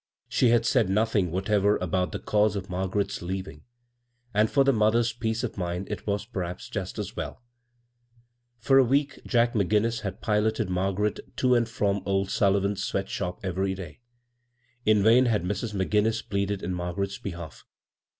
She had said nothing whatever about the cause of Margaret's leav ing — and for the mother's peace oi mind it was, pediaps, just as welL For a week Jack McGimiis had piloted Margaret to and from (^ Sullivan's sweat shop every day. In vain had Mrs. McGinnis pleaded in Margaret's behalf.